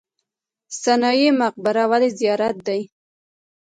سنايي مقبره ولې زیارت دی؟